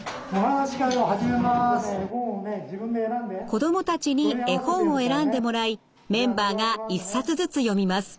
子どもたちに絵本を選んでもらいメンバーが１冊ずつ読みます。